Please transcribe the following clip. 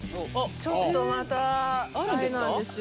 ちょっとまたあれなんですよ。